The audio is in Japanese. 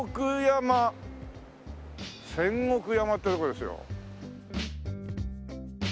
仙石山ってとこですよ。